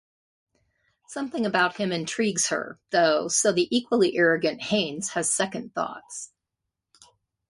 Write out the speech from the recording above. Something about him intrigues her, though, so the equally arrogant Haines has second thoughts.